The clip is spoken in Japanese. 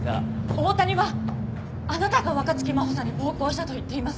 大谷はあなたが若槻真帆さんに暴行したと言っています。